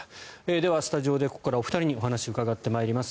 では、スタジオでここからお二人にお話を伺っていきます。